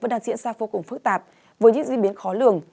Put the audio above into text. vẫn đang diễn ra vô cùng phức tạp với những diễn biến khó lường